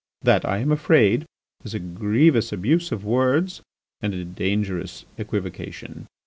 That, I am afraid, is a grievous abuse of words and a dangerous equivocation.